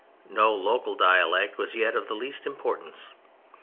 No local dialect was yet of the least importance.